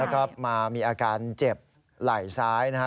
แล้วก็มามีอาการเจ็บไหล่ซ้ายนะฮะ